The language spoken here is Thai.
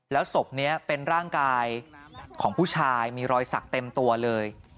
แล้วศพนี้เป็นร่างกายของผู้ชายมีรอยสักเต็มตัวเลย